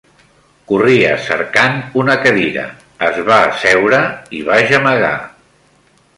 Corria cercant una cadira, es va asseure i va gemegar.